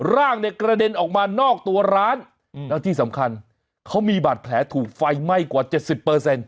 ร่างเนี่ยกระเด็นออกมานอกตัวร้านแล้วที่สำคัญเขามีบาดแผลถูกไฟไหม้กว่าเจ็ดสิบเปอร์เซ็นต